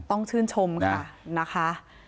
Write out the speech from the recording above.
ต้องชื่นชมค่ะนะคะ